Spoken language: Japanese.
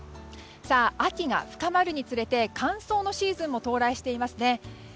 秋が深まるにつれて乾燥のシーズンも到来していますね。